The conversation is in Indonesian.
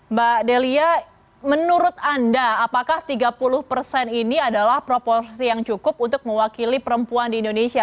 mbak delia menurut anda apakah tiga puluh persen ini adalah proporsi yang cukup untuk mewakili perempuan di indonesia